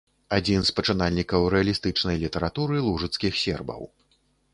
Адзін з пачынальнікаў рэалістычнай літаратуры лужыцкіх сербаў.